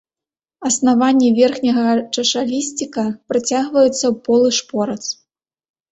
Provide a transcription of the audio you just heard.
Аснаванне верхняга чашалісціка працягваецца ў полы шпорац.